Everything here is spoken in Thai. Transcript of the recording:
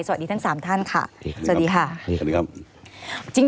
สวัสดีทั้งสามท่านค่ะสวัสดีค่ะ